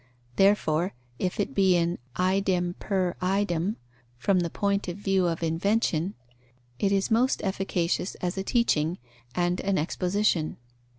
Therefore, if it be an idem per idem from the point of view of invention, it is most efficacious as a teaching and an exposition.